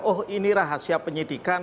oh ini rahasia penyelidikan